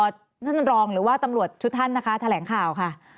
ท่านรองหรือว่าตำรวจทุกท่านนะคะแถลงข่าวค่ะ